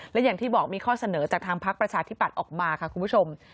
และอย่างที่บอกมีข้อเสนอจากทางพักประชาธิปัตย์ออกมาค่ะคุณผู้ชม